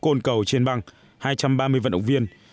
môn khúc côn cầu trên băng hai trăm ba mươi vận động viên